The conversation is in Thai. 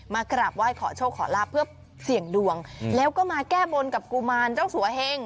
กราบไหว้ขอโชคขอลาบเพื่อเสี่ยงดวงแล้วก็มาแก้บนกับกุมารเจ้าสัวเฮง